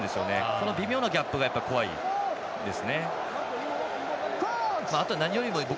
この微妙なギャップが怖いです。